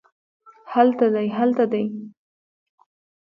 هلته دی هلته دي